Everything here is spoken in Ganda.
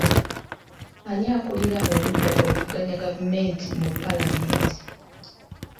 Ani akuulira oludda oluvuganya gavumenti mu paalamenti?